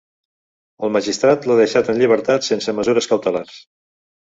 El magistrat l’ha deixat en llibertat sense mesures cautelars.